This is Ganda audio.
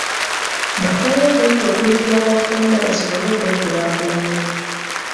Bafeeyo okuyiga okulimira awafunda basobole okwekulaakulanya .